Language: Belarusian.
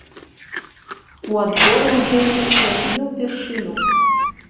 У адборы ўдзельнічае не ўпершыню.